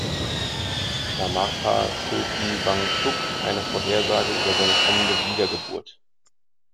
Shamarpa Chökyi Wangchug eine Vorhersage über seine kommende Wiedergeburt.